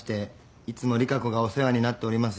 いつも利佳子がお世話になっております。